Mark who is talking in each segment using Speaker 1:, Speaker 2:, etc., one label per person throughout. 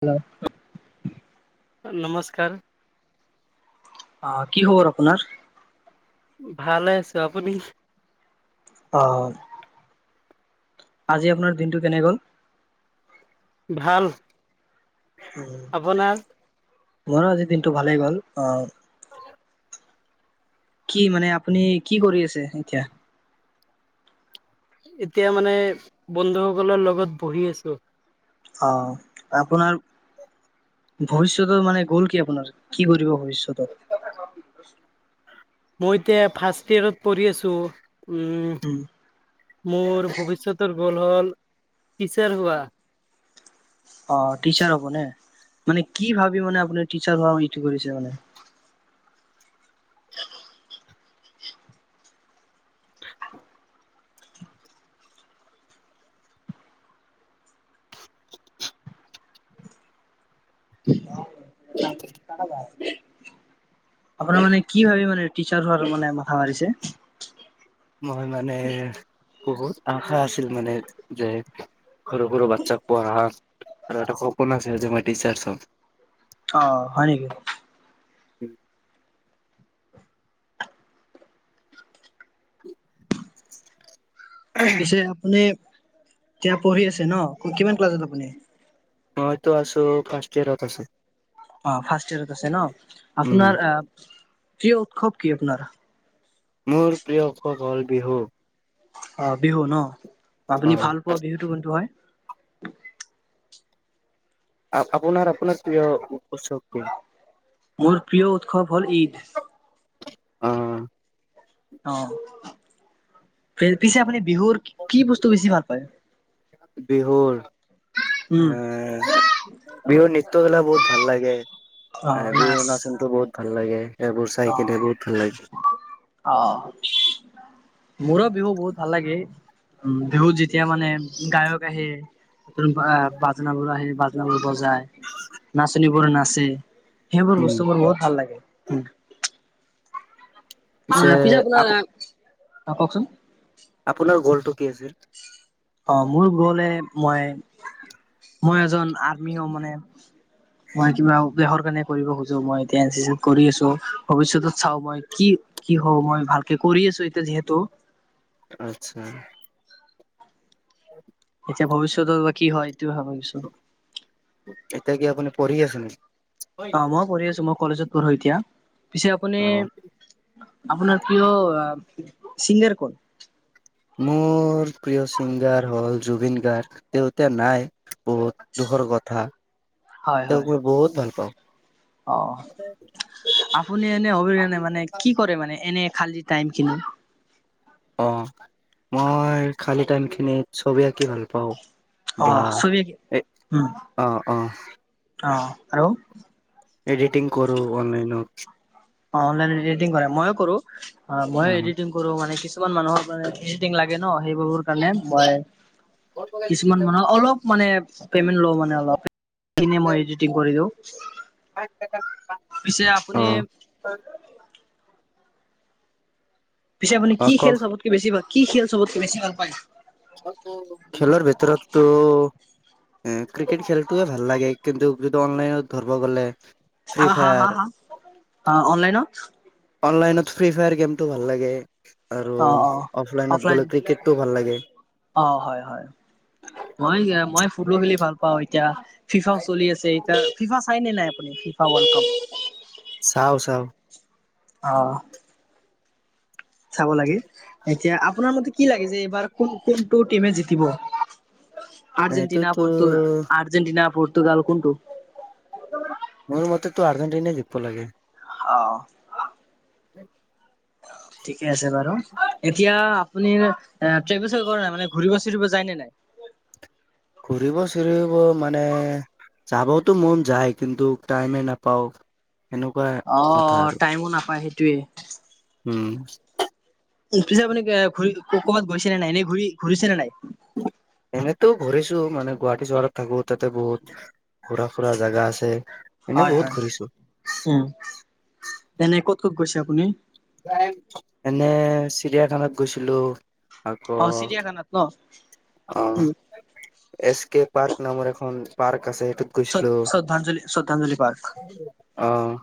Speaker 1: Hello.
Speaker 2: নমস্কাৰ।
Speaker 1: অ', কি খবৰ আপোনাৰ?
Speaker 2: ভালে আছোঁ, আপুনি?
Speaker 1: অ'। আজি আপোনাৰ দিনটো কেনে গ'ল?
Speaker 2: ভাল,
Speaker 1: উম
Speaker 2: আপোনাৰ?
Speaker 1: মোৰো আজি দিনটো ভালেই গ'ল, অ'। কি মানে আপুনি কি কৰি আছে এতিয়া?
Speaker 2: এতিয়া মানে বন্ধুসকলৰ লগত বহি আছোঁ।
Speaker 1: অ', আপোনাৰ ভৱিষ্যতৰ মানে গ'ল কি আপোনাৰ? কি কৰিব ভৱিষ্যতত?
Speaker 2: মই এতিয়া ফাৰ্ষ্ট ইয়েৰত পঢ়ি আছোঁ, উম। মোৰ ভৱিষ্যতৰ গ'ল হ'ল টিচাৰ হোৱা।
Speaker 1: অঁহ টিচাৰ হ'ব নে, মানে কি ভাবি মানে আপুনি টিচাৰ হোৱা ইটো কৰিছে মানে। [inaudible] আপোনাৰ মানে কি ভাৱি মানে টিচাৰ হোৱাৰ মানে মাথা মাৰিছে?
Speaker 2: মই মানে। বহুত আশা আছিল মানে, যে সৰু সৰু বাচ্চাক পঢ়া। আৰু এটা সপোন আছে যে মই টিচাৰছ হম।
Speaker 1: অঁহ হয় নেকি?
Speaker 2: [inaudible]
Speaker 1: পিছে আপুনি এতিয়া পঢ়ি আছে ন, কিমান ক্লাছত আপুনি?
Speaker 2: মইটো আছো, ফাৰ্ষ্ট ইয়াৰত আছো।
Speaker 1: অঁহ ফাৰ্ষ্ট ইয়াৰত আছে ন,
Speaker 2: উম
Speaker 1: আপোনাৰ আঁহ প্ৰিয় উৎসৱ কি আপোনাৰ।
Speaker 2: মোৰ প্ৰিয় উৎসৱ হ'ল বিহু।
Speaker 1: অঁহ বিহু ন,
Speaker 2: অ
Speaker 1: আপুনি ভাল পোৱা বিহুটো কোনটো হয়?
Speaker 2: আপোনাৰ আপোনাৰ প্ৰিয় উৎসৱ কি?
Speaker 1: মোৰ প্ৰিয় উৎসৱ হ'ল ঈদ।
Speaker 2: অহঁ।
Speaker 1: অহঁ, পি পিছে আপুনি বিহুৰ কি বস্তু বেছি ভাল পায়?
Speaker 2: বিহুৰ
Speaker 1: উম
Speaker 2: এঁহ বিহুৰ নৃত্য বিলাক বহুত ভাল লাগে,
Speaker 1: অ
Speaker 2: আঁহ বিহু
Speaker 1: নাচ
Speaker 2: নাচনতো বহুত ভাল লাগে। এইবোৰ চাইকেনে বহুত ভাল লাগে।
Speaker 1: অঁহ, মোৰো বিহু বহুত ভাল লাগে। উম বিহুত যেতিয়া মানে গায়ক আহে, আ বাজনাবোৰ আহে বাজনা বোৰ বজায়। নাচনী বোৰ নাচে, সেইবোৰ
Speaker 2: উম
Speaker 1: বস্তু মোৰ বহুত ভাল লাগে। অঁহ
Speaker 2: পিছে
Speaker 1: পিচে
Speaker 2: আপ
Speaker 1: আপোনাৰ অঁহ কওকচোন
Speaker 2: আপোনাৰ গো'লটো কি আছিল?
Speaker 1: অঁহ মোৰ গোলে মই মই এজন আৰ্মি হম মানে।
Speaker 2: [inaudible]
Speaker 1: মই কিবা দেশৰ কাৰণে কৰিব খোজো মই এতিয়া এন চি চি কৰি আছো, ভৱিষ্যতত চাও মই কি কি হও মই ভালকে কৰি আছো এতিয়া যিহেতু
Speaker 2: আচ্ছা। [inaudible]
Speaker 1: এতিয়া ভৱিষ্যতৰ বা কি হয় এইটোয়ে ভাবিছো।
Speaker 2: এতিয়া কি আপুনি পঢ়ি আছে নেকি?
Speaker 1: অঁহ মই পঢ়ি আছো, মই কলেজত পঢ়ো এতিয়া। পিছে আপুনি
Speaker 2: অ
Speaker 1: আপোনাৰ প্ৰিয় চিংগাৰ কোন?
Speaker 2: মোৰ প্ৰিয় ছিংগাৰ হ'ল জুবিন গাৰ্গ। তেওঁ এতিয়া নাই বহুত দুখৰ কথা। তেওঁক মই বহুত ভাল পাওঁ।
Speaker 1: অঁ, আপুনি এনে অবিহনে মানে কি কৰে মানে এনে খালি টাইম খিনি?
Speaker 2: অঁহ, মই খালি টাইম খিনিত চবি আঁকি ভাল পাওঁ।
Speaker 1: অ
Speaker 2: বাহ
Speaker 1: ছবি
Speaker 2: এ অঁহ অঁ।
Speaker 1: অঁহ আৰু।
Speaker 2: এদিতিং কৰো অনলাইনত।
Speaker 1: অঁহ অনলাইনত এডিটিং কৰা, মইয়ো কৰো অঁহ
Speaker 2: অ
Speaker 1: মই এডিটিং কৰো মানে, কিছুমান মানুহক মানে এদিতিং লাগে ন, সেইবোৰৰ কাৰণে মই কিছুমান মানে অলপ মানে পেমেন্ট লওঁ মানে অলপ, ইনে মই এডিটিং কৰি দিওঁ। [unintelligible]
Speaker 2: [unintelligible]
Speaker 1: পিছে
Speaker 2: অ
Speaker 1: আপুনি পিছে আপুনি
Speaker 2: অ
Speaker 1: কি
Speaker 2: কওক
Speaker 1: খেল চবতকে বেছি ভাল, কি খেল চবতকে বেছি ভাল পায়?
Speaker 2: খেলৰ ভিতৰতটো এ ক্ৰিকেট খেলটোৱেই ভাল লাগে, কিন্তু অনলাইনত ধৰবা গ'লে ফ্ৰী
Speaker 1: হা হা হা
Speaker 2: ফায়াৰ
Speaker 1: হা? অহ, অনলাইনত
Speaker 2: অনলাইনত ফ্ৰী ফায়াৰ গেমটো ভাল লাগে আৰু
Speaker 1: অ অ
Speaker 2: অফলাইনত
Speaker 1: অফলাইন
Speaker 2: গ'লে ক্ৰিকেটটো ভাল লাগে।
Speaker 1: অ', হয় হয়, মই-মই ফুটবল খেলি ভাল পাওঁ, এতিয়া ফিফাও চলি আছে এতিয়া, ফিফা চাই নে নাই আপুনি? FIFA world cup.
Speaker 2: চাওঁ চাওঁ।
Speaker 1: অহ। চাব লাগি এতিয়া আপোনাৰ মতে কি লাগিছে, এইবাৰ কোন কোনটো টিমে জিতিব? আৰ্জেন্টিনা,
Speaker 2: এইটোতো
Speaker 1: পৰ্টু, আৰ্জেন্টিনা, পৰ্তুগাল কোনটো?
Speaker 2: মোৰ মতেতো আৰ্জেন্টিনাই জিকিব লাগে।
Speaker 1: অহ।
Speaker 2: [inaudible]
Speaker 1: ঠিকেই আছে বাৰু, এতিয়া আপুনি ট্ৰেভেল চেভেল কৰে নে নাই? মানে ঘুৰিব চুৰিব যায় নে নাই?
Speaker 2: ঘূৰিব চূৰিব মানে যাবওতো মন যায়, কিন্তু টাইমেই নাপাওঁ।
Speaker 1: অ', টাইমো নাপায় সেইটোৱেই।
Speaker 2: উম।
Speaker 1: উম, পিছে আপুনি ঘূৰি ক'ৰবাত গৈছে নে নাই? এনে ঘূ-ঘূৰিছে নে নাই?
Speaker 2: এনেতো ঘূৰিছো, মানে গুৱাহাটী চহৰত থাকো, তাতে বহুত ঘূৰা ফূৰা জাগা আছে। এনে
Speaker 1: হয়
Speaker 2: বহুত
Speaker 1: হয়,
Speaker 2: ঘূৰিছো
Speaker 1: উম, এনে ক'ত ক'ত গৈছে আপুনি?
Speaker 2: এনে চিৰিয়াখানাত গৈছিলোঁ।
Speaker 1: অ', চিৰিয়াখানাত ন?
Speaker 2: অ',
Speaker 1: উম,
Speaker 2: এছ কে পাৰ্ক নামৰ এখন পাৰ্ক আছে, সেইটোত গৈছিলো।
Speaker 1: শ্ৰদ্ধাঞ্জলি, শ্ৰদ্ধাঞ্জলি পাৰ্ক,
Speaker 2: অ'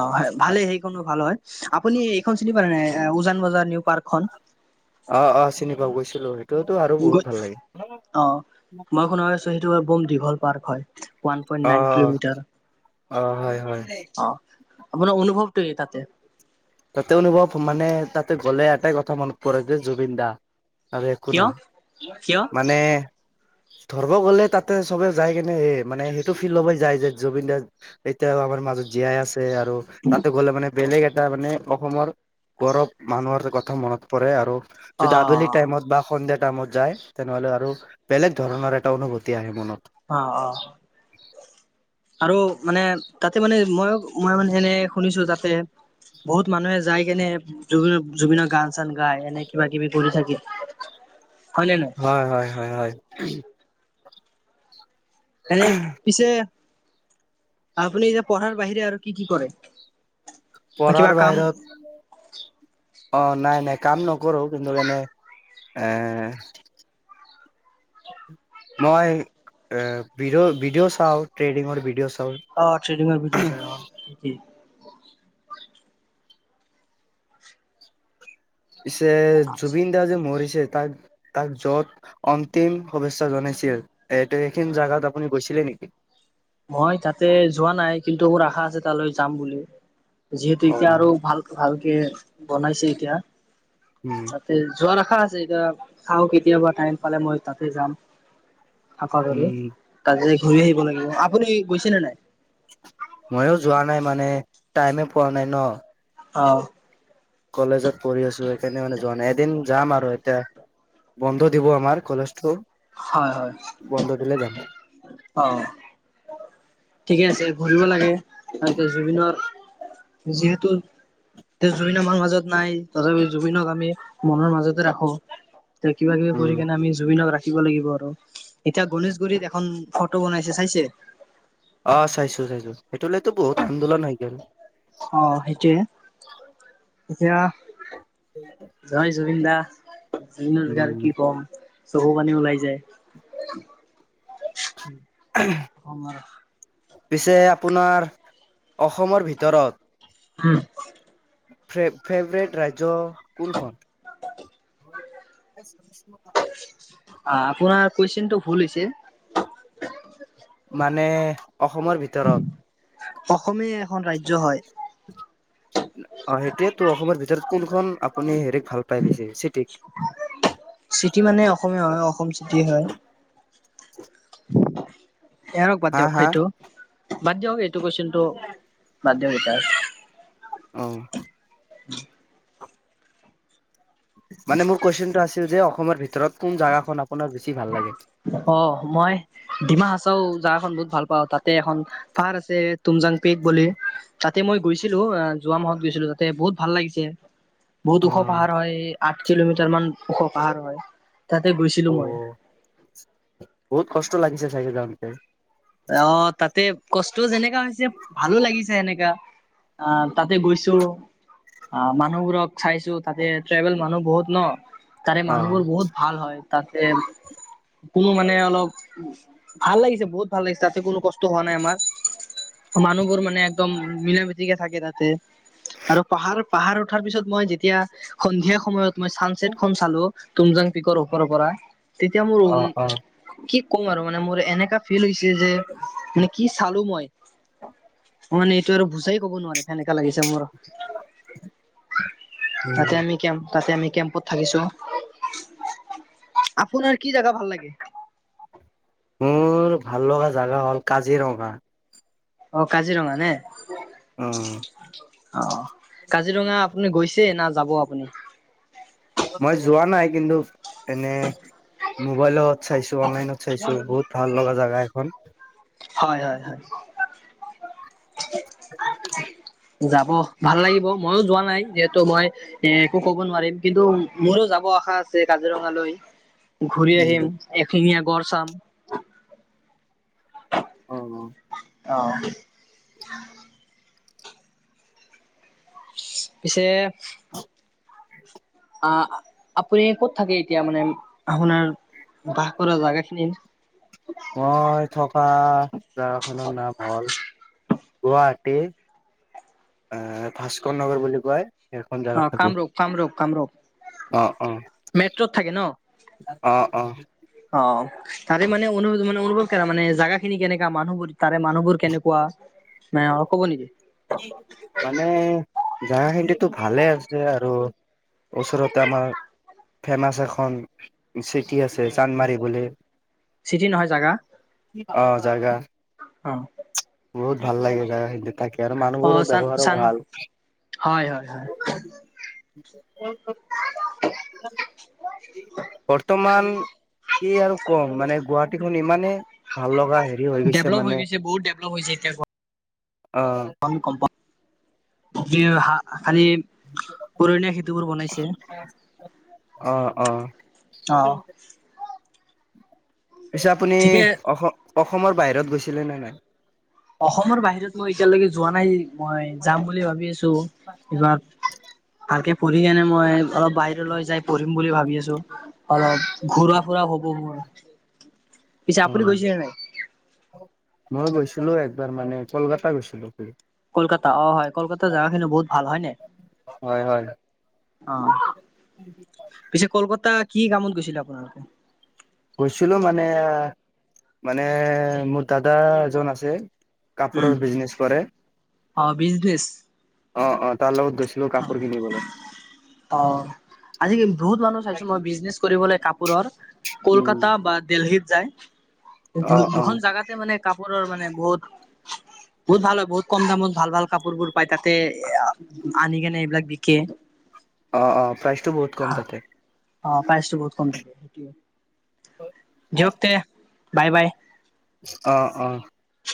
Speaker 1: অহ ভালেই হেই খনো ভাল হয়, আপুনি এইখন চিনি পায় নে নাই? উজান বজাৰৰ নিউ পাৰ্কখন।
Speaker 2: অহ অহ, চিনি পাও, গৈছিলো, সেইটোতো আৰু
Speaker 1: গৈ
Speaker 2: বহুত ভাল লাগে।
Speaker 1: অ', মই শুনা পাইছোঁ, সেইটো বম দীঘল পাৰ্ক হয়। ওৱান পয়েন্ট নাইন
Speaker 2: অ'
Speaker 1: কিলোমিটাৰ,
Speaker 2: অ' হয় হয়।
Speaker 1: অহ, আপোনাৰ অনুভৱটো কি তাতে?
Speaker 2: তাতে অনুভৱ মানে, তাতে গ'লে এটাই কথা মনত পৰে যে জুবিন দা। আৰু একো
Speaker 1: কিয়
Speaker 2: নহয়,
Speaker 1: কিয়
Speaker 2: মানে ধৰব গ'লে, তাতে চবে যাই কেনে, এই মানে সেইটো ফিল ল'বই যায় যে জুবিন দা এতিয়াও আমাৰ মাজত জীয়াই আছে আৰু, তাতে গ'লে মানে বেলেগ এটা মানে অসমৰ গৌৰৱ মানুহৰ কথা মনত পৰে আৰু
Speaker 1: অ
Speaker 2: যদি আবেলি টাইমত বা সন্ধিয়া টাইমত যায়। তেনেহ'লে আৰু, বেলেগ ধৰণৰ এটা অনুভূতি আহে মনত।
Speaker 1: অ', অ'। আৰু মানে তাতে মানে মই মই মানে এনে শুনিছো তাতে বহুত মানুহে যাই কেনে জুবিনৰ জুবিনৰ গান-চান গায় এনে কিবা কিবি কৰি থাকে। হয় নে নহয়
Speaker 2: হয়-হয়-হয়-হয়।
Speaker 1: এনে পিছে আপুনি এতিয়া পঢ়াৰ বাহিৰে আৰু কি কি কৰে? কিবা
Speaker 2: পঢ়াৰ
Speaker 1: কাম
Speaker 2: বাহিৰত অ নাই নাই কাম নকৰো কিন্তু এনে এ মই এ ভিডিঅ ভিডিঅ চাওঁ ট্ৰেডিঙৰ ভিডিঅ' চাওঁ।
Speaker 1: অ ট্ৰেডিং ভিডিঅ' চাই অ।
Speaker 2: পিছে জুবিন দা যে মৰিছে তাক তাক য'ত অন্তিম শুভেচ্ছা জনাইছিল, এইটো এইখিনি জেগাত আপুনি গৈছিলে নেকি?
Speaker 1: মই তাতে যোৱা নাই কিন্তু মোৰ আশা আছে তালৈ যাম বুলি, যিহেতু এতিয়া
Speaker 2: উম।
Speaker 1: আৰু ভাল ভালকে বনাইছে এতিয়া।
Speaker 2: উম।
Speaker 1: তাতে যোৱাৰ আশা আছে এতিয়া চাওঁ কেতিয়াবা টাইম পালে মই তাতে যাম। [unintelligible]
Speaker 2: উম
Speaker 1: তাতে যাই ঘূৰি আহিব লাগিব। আপুনি গৈছেনে নাই?
Speaker 2: ময়ো যোৱা নাই মানে টাইমে পোৱা নাই ন।
Speaker 1: অ।
Speaker 2: কলেজত পঢ়ি আছো সেইকাৰণে মানে যোৱা নাই, এদিন যাম আৰু এতিয়া বন্ধ দিব আমাৰ কলেজটো।
Speaker 1: হয় হয়
Speaker 2: বন্ধ দিলে যাম
Speaker 1: অ। ঠিকে আছে ঘূৰিব লাগে তাতে জুবিনৰ যিহেতু এতিয়া জুবিন আমাৰ মাজত নাই তথাপি জুবিনক আমি মনৰ মাজতে ৰাখো। তে কিবা কিবি
Speaker 2: উম
Speaker 1: কৰি কেনে আমি জুবিনক ৰাখ খিব লাগিব আৰু। এতিয়া গণেশগুৰিত এখন ফটো বনাইছে চাইছে?
Speaker 2: অ চাইছো চাইছো সেইটো লৈতো বহুত আন্দোলন হৈ গে'ল।
Speaker 1: অ সেইটোয়ে এতিয়া জয় জুবিন দা, জুবিন বিষয়ে আৰু কি
Speaker 2: উম
Speaker 1: ক'ম চকু পানী ওলাই যায়। [inaudible]
Speaker 2: [inaudible]
Speaker 1: অসমৰ
Speaker 2: পিছে আপোনাৰ অসমৰ ভিতৰত
Speaker 1: হম।
Speaker 2: ফেভ-ফেভৰেট ৰাজ্য কোনখন? [inaudible]
Speaker 1: অ আপোনাৰ কুশৱেচনটো ভুল হৈছে।
Speaker 2: মানে অসমৰ ভিত
Speaker 1: অসমেই এখন ৰাজ্য হয়।
Speaker 2: অ সেইটোয়েতো অসমৰ ভিতৰত কোনখন আপুনি হেৰিক ভাল পাই বেছি? চিটিক?
Speaker 1: চিটি মানে অসমে হয় অসম চিটি হয়।
Speaker 2: [unintelligible]
Speaker 1: [unintelligible] বাদ
Speaker 2: হা
Speaker 1: দিয়ক
Speaker 2: হা?
Speaker 1: সেইটো বাদ দিয়ক এইটো কুৱেচনটো বাদ দিয়ক [unintelligible]
Speaker 2: অ। মানে মোৰ কুৱেচনটো আছিল যে অসমৰ ভিতৰত কোন জেগাখন আপোনাৰ বেছি ভাল লাগে?
Speaker 1: অ মই ডিমা হাচাও জাগাখন বহুত ভাল পাওঁ তাতে এখন পাহাৰ আছে তুমজাং পিক বুলি। তাতে মই গৈছিলোঁ যোৱা মাহত গৈছিলো তাতে বহুত ভাল লাগিছে বহুত
Speaker 2: অ
Speaker 1: ওখ পাহাৰ হয় আঠ কিলোমিটাৰ মান ওখ পাহাৰ হয় তাতে
Speaker 2: অ
Speaker 1: গৈছিলো মই
Speaker 2: বহুত কষ্ট লাগিছে চাইে যাওঁতে
Speaker 1: অ তাতে কষ্ট যেনেকা হৈছে ভালো লাগিছে সেনেকা। অ তাতে গৈছোঁ। অ মানুহবোৰক চাইছো তাতে ট্ৰাইবেল মানুহ বহুত ন তাৰে
Speaker 2: অ।
Speaker 1: মানুহবোৰ বহুত। ভাল হয় তাতে কোনো মানে অলপ ভাল লাগিছে বহুত। ভাল লাগিছে তাতে কোনো কষ্ট হোৱা নাই আমাৰ মানুহবোৰ মানে একদম মিলা মিতিকে থাকে তাতে। আৰু পাহাৰ পাহাৰ উঠাৰ পিছত মই যেতিয়া সন্ধিয়া সময়ত। মই চানচেট খন চালো তুমজাং পিকৰ ওপৰৰ পৰা তেতিয়া
Speaker 2: অ অ
Speaker 1: মোৰ কি ক'ম আৰু মানে মোৰ এনেকা ফিল হৈছে যে মানে কি চালো মই। মানে এইটো আৰু বুজাই ক'ব নোৱাৰি সেনেকা লাগিছে মোৰ।
Speaker 2: উম।
Speaker 1: তাতে আমি কেম্প তাতে আমি কেম্পত থাকিছো আপোনাৰ কি জেগা ভাল লাগে?
Speaker 2: মোৰ ভাল লগা জেগা হ'ল কাজিৰঙা।
Speaker 1: অ কাজিৰঙা নে?
Speaker 2: অ,
Speaker 1: অ কাজিৰঙা আপুনি গৈছে না যাব আপুনি?
Speaker 2: মই যোৱা নাই কিন্তু এনে মোবাইলত চাইছো অনলাইনত চাইছো বহুত ভাল লগা জেগা এখন
Speaker 1: হয়, হয়, হয়। যাব ভাল লাগিব, মইয়ো যোৱা নাই, যিহেতু মই এ একো ক'ব নোৱাৰিম, কিন্তু মোৰো যাব আশা আছে কাজিৰঙালৈ। ঘূৰি
Speaker 2: উম।
Speaker 1: আহিম, এশিঙীয়া গড় চাম।
Speaker 2: অ', অ'।
Speaker 1: অ'। পিছে আহ আপুনি ক'ত থাকে এতিয়া মানে, আপোনাৰ বাস কৰা জাগা খিনি?
Speaker 2: মই থকা জেগাখনৰ নাম হ'ল, গুৱাহাটী। আহ ভাস্কৰ নগৰ বুলি কয়। সেইখন জোগাত
Speaker 1: অ',
Speaker 2: থাকো
Speaker 1: কামৰূপ, কামৰূপ, কামৰূপ।
Speaker 2: অ', অ',
Speaker 1: মেট্ৰত থাকে ন
Speaker 2: অ', অ'।
Speaker 1: অ', তাৰে মানে অনুভৱ মানে অনুভৱ মানে জাগা খিনি কেনেকা মানুহবোৰ তাৰে মানুহবোৰ কেনেকোৱা কোৱা?
Speaker 2: মানে জাগা খিনিতো ভালে আছে, আৰু উচৰত আমাৰ ফেমাচ এখন চিটি আছে, চান্দমাৰি বুলি।
Speaker 1: চিটি নহয়। জেগা।
Speaker 2: অ, জাগা
Speaker 1: অ,
Speaker 2: বহুত ভাল লাগে জাগা খিনি। থাকে আৰু
Speaker 1: অ
Speaker 2: মানুহবোৰৰ
Speaker 1: চান
Speaker 2: ব্যৱহাৰো
Speaker 1: চান
Speaker 2: ভাল।
Speaker 1: হয় হয় হয়
Speaker 2: [unintelligible] বৰ্তমান কি আৰু কম। মানে গুৱাহাটীখন ইমানে ভাল লগা হেৰি হৈ গৈছে
Speaker 1: ডেভলপ হৈ
Speaker 2: মানে।
Speaker 1: [unintelligible] হৈছে এতিয়া [unintelligible]
Speaker 2: অ।
Speaker 1: [unintelligible] খালি উৰণীয়া সেঁতুবোৰ বনাইছে।
Speaker 2: অ অ
Speaker 1: অহ।
Speaker 2: পিছে আপুনি
Speaker 1: ঠিকে
Speaker 2: অস অসমৰ বাহিৰত গৈছিলে নে নাই?
Speaker 1: অসমৰ বাহিৰত মই এতিয়ালৈকে যোৱা নাই। মই যাম
Speaker 2: নাই
Speaker 1: বুলি ভাবি আছো। কিবা
Speaker 2: অ
Speaker 1: ভালকে পঢ়ি কেনে মই অলপ বাহিৰলৈ যাই পঢ়িম বুলি ভাবি আছো, অলপ। ঘূৰা, ফুৰা হ [unintelligible] পিছে আপুনি গৈছেনে নাই?
Speaker 2: মই গৈছিলো একবাৰ মানে কলকাতা গৈছিলো।
Speaker 1: কলকাতা অ হয়। কলকাতা জেগা খিনি বহুত ভাল। হয় নাই?
Speaker 2: হয় হয়।
Speaker 1: অ। পিছে কলকাতা কি কামত গৈছিলে আপোনালোকে?
Speaker 2: গৈছিলো মানে মানে মোৰ দাদা এজন আছে।
Speaker 1: উম
Speaker 2: কাপোৰৰ বিজনেছ কৰে।
Speaker 1: অ, বিজনেছ?
Speaker 2: অ অ। তাৰ লগত গৈছিলো কাপোৰ কিনিবলৈ
Speaker 1: অ। আজি বহুত মানুহ চাইছো মই বিজনেচ কৰিবলে কাপোৰৰ,
Speaker 2: উম
Speaker 1: কলকাতা বা দেলহিত যায়। দু
Speaker 2: অ অ
Speaker 1: দুখন জেগাতে মানে কাপোৰৰ মানে বহুত বহুত ভাল হয়। বহুত কম দামত ভাল ভাল কাপোৰ বোৰ পায় তাতে। [unintelligible] আনি কেনে এইবিলাক বিকে।
Speaker 2: অঁ অঁ প্ৰাইচটো বহুত কম থাকে।
Speaker 1: অ প্ৰাইচটো বহুত কম থাকে সেইটোৱে। দিয়ক তে, বাই বাই।
Speaker 2: অ, অ।